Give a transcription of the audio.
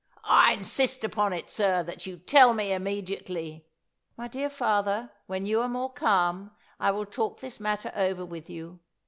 I insist upon it, sir, that you tell me immediately." "My dear father, when you are more calm, I will talk this matter over with you.